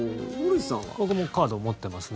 僕もカード持ってますね。